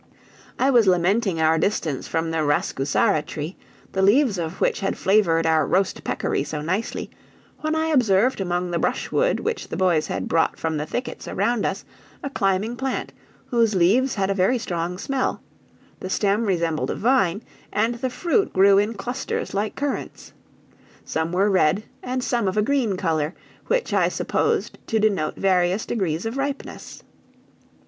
I was lamenting our distance from the rascusara tree, the leaves of which had flavored our roast peccary so nicely, when I observed among the brushwood which the boys had brought from the thickets around us, a climbing plant, whose leaves had a very strong smell; the stem resembled a vine, and the fruit grew in clusters like currants. Some were red, and some of a green color, which I supposed to denote various degrees of ripeness.